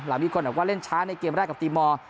มีคนบอกว่าเล่นช้าในเกมแรกกับตีมอร์